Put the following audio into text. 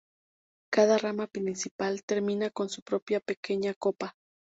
Cada rama principal termina con su propia pequeña copa.